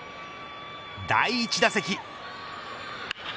第１打席。